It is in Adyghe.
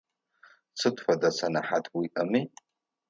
Сыд фэдэ сэнэхьат уиIэми.